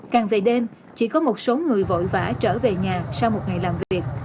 càng về đêm chỉ có một số người vội vã trở về nhà sau một ngày làm việc